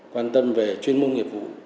quan tâm về chuyên môn nghiệp vụ